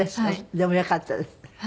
でもよかったですね。